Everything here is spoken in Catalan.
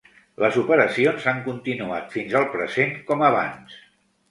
Les operacions han continuat fins al present com abans.